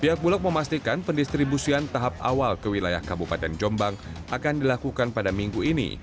pihak bulog memastikan pendistribusian tahap awal ke wilayah kabupaten jombang akan dilakukan pada minggu ini